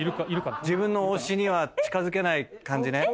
自分の推しには近づけない感じね。